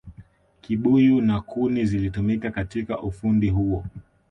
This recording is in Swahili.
kibuyu na kuni zilitumika katika ufundi huo